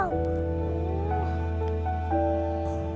ya apaan sih